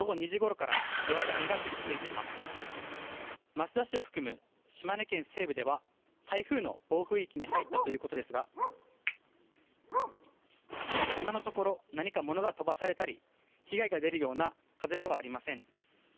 益田市を含む島根県西部では台風の暴風域に入ったということですが今のところ何か物が飛ばされたり被害が出るような風ではありません。